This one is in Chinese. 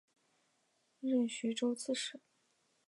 任徐州刺史。